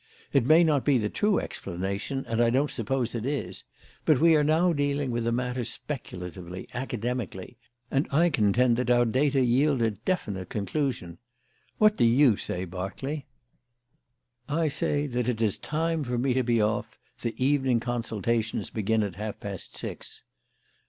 It may not be the true explanation, and I don't suppose it is. But we are now dealing with the matter speculatively, academically, and I contend that our data yield a definite conclusion. What do you say, Berkeley?" "I say that it is time for me to be off; the evening consultations begin at half past six."